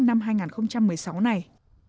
năm hai nghìn một mươi sáu này